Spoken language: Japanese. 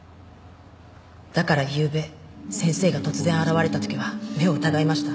だからゆうべ先生が突然現れた時は目を疑いました。